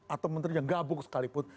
atau menteri yang gabung sekalipun